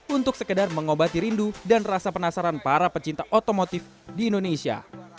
untuk sekedar mengobati rindu dan rasa penasaran para pecinta otomotif di indonesia